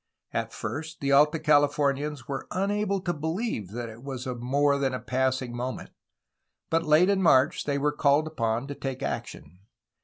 At first, the Alta Calif omians were unable to believe that it was of more than passing moment, but late in March they were called upon to take action.